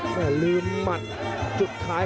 วันสินชัย